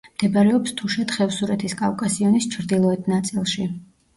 მდებარეობს თუშეთ-ხევსურეთის კავკასიონის ჩრდილოეთ ნაწილში.